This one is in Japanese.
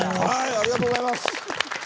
ありがとうございます。